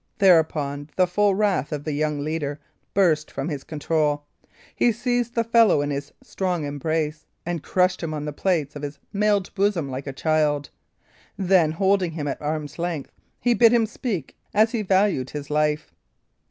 Thereupon the full wrath of the young leader burst from his control. He seized the fellow in his strong embrace, and crushed him on the plates of his mailed bosom like a child; then, holding him at arm's length, he bid him speak as he valued life.